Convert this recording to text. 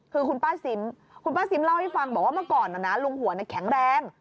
คือคุณป้าซิมคุณป้าซิมเล่าให้ฟังบอกว่าเมื่อก่อนลุงหัวแข็งแรง